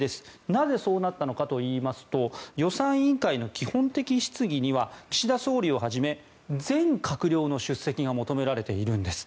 なぜそうなったのかといいますと予算委員会の基本的質疑には岸田総理をはじめ全閣僚の出席が求められているんです。